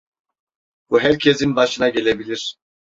Bu herkesin başına gelebilir.